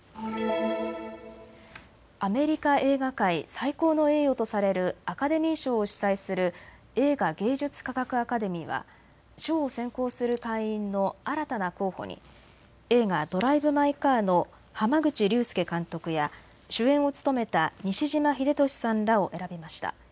アメリカ映画界、最高の栄誉とされるアカデミー賞を主催する映画芸術科学アカデミーは賞を選考する会員の新たな候補に映画、ドライブ・マイ・カーの濱口竜介監督や主演を務めた西島秀俊さんらを選びました。